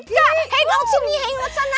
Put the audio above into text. bebas merdeka hangout sini hangout sana